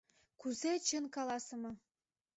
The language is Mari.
Кузе чын каласыме!